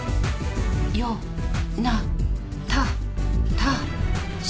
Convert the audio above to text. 「よなたたし」